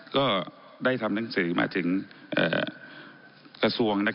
ก็ได้ทำหนังสือมาถึงกระทรวง